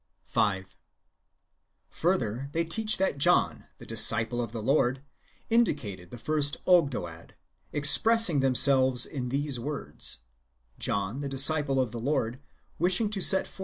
"^ 5. Further, they teach that John, the disciple of the Lord, indicated the first Ogdoad, expressing themselves in these words : John, the disciple of the Lord, wishing to set forth the 1 Luke XV.